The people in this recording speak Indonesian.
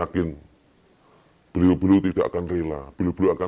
bapak anaknya bapak kepala daerah atau bupati dan lain sebagainya lah mbak sayakin